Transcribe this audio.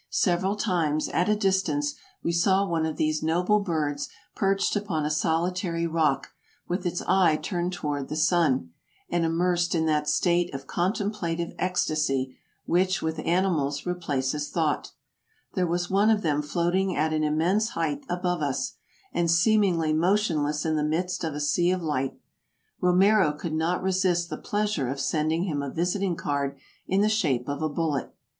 Several times, at a distance, we saw one of these noble birds perched upon a solitary rock, with its eye turned toward the sun, and immersed in that state of contemplative ecstasy which with animals replaces thought. There was one of them floating at an immense height above us, and seemingly motionless in the midst of a sea of light. Romero could not resist the pleasure of sending him a visiting card in the shape of a bullet.